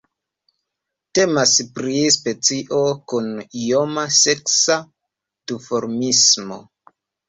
Temas pri specio kun ioma seksa duformismo.